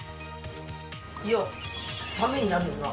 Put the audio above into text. いやためになるよな。